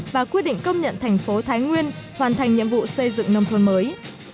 và quyết định công nhận thành phố thái nguyên hoàn thành nhiệm vụ xây dựng nông thôn mới